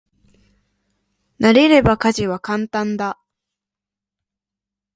慣れれば家事は簡単だ。